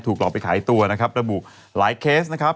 หลอกไปขายตัวนะครับระบุหลายเคสนะครับ